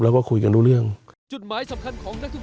แล้วก็คุยกันด้วยเรื่อง